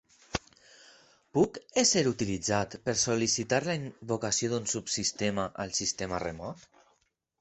Puc ésser utilitzat per sol·licitar la invocació d'un subsistema al sistema remot?